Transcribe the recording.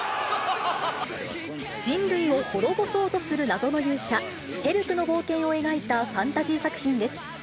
人類を滅ぼそうとする謎の勇者、ヘルクの冒険を描いたファンタジー作品です。